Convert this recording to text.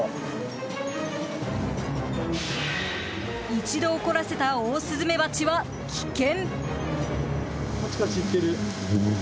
一度怒らせたオオスズメバチは危険。